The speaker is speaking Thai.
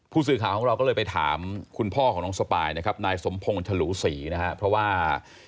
ผู้สื่อข่าวของเราก็เลยไปถามคุณพ่อของน้องสปายนะครับนายสมพงศ์ฉลูศรีนะครับเพราะว่า